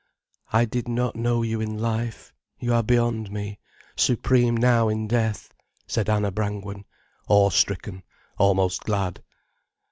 "I did not know you in life. You are beyond me, supreme now in death," said Anna Brangwen, awe stricken, almost glad.